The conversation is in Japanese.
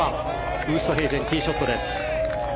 ウーストヘイゼンティーショットです。